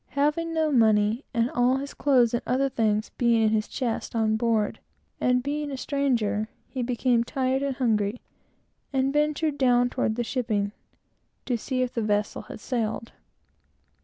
Having no money, and all his clothes and other things being in the chest, on board, and being a stranger, he became tired and hungry, and ventured down toward the shipping, to see if the vessel had sailed.